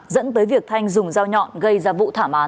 dẫn tới việc thanh dùng dao nhọn gây ra vụ thảm án